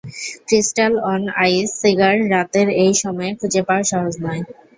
Crystal on ice, cigar, রাতের এই সময়ে খুঁজে পাওয়া সহজ নয়।